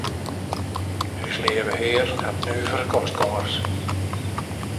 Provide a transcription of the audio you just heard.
Us Leave Hear hat nuvere kostgongers.